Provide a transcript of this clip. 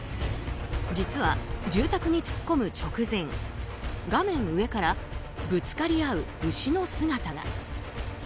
実は住宅に突っ込む直前画面上からぶつかり合う牛の姿が。